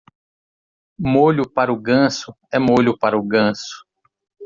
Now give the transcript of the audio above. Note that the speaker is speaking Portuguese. Molho para o ganso é molho para o ganso.